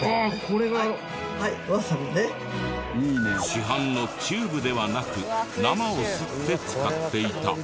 市販のチューブではなく生を擦って使っていた。